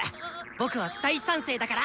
僕は大賛成だから！